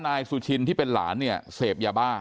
นายสุชินที่เป็นหลานเนี่ยเสพยาบ้า